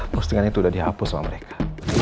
postingan itu sudah dihapus sama mereka